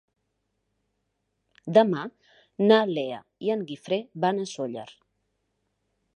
Demà na Lea i en Guifré van a Sóller.